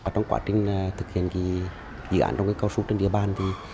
trong quá trình thực hiện dự án trong cây cao su trên địa bàn